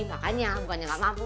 makanya bukannya gak mampu